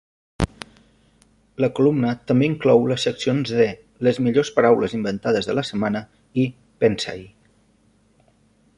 La columna també inclou les seccions de "Les millors paraules inventades de la setmana" i "Pensa-hi".